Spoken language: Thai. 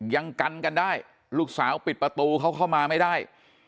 ยังกันกันได้ลูกสาวปิดประตูเขาเข้ามาไม่ได้